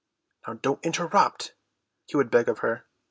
"Now don't interrupt," he would beg of her.